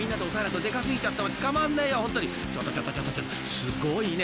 ［すごいね！